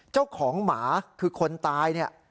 เจ้าของหมาคือคนตายเนี่ย